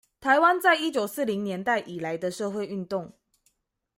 臺灣在一九四零年代以來的社會運動